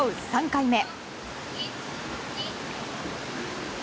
３回目。